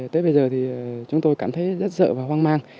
tới bây giờ thì chúng tôi cảm thấy rất sợ và hoang mang